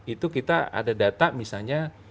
itu kita ada data misalnya